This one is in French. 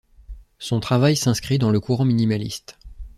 Son travail s'inscrit dans le courant minimaliste.